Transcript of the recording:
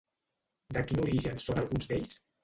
De quin origen són alguns d'ells?